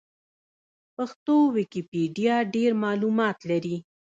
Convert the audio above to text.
پښتو ويکيپېډيا ډېر معلومات لري.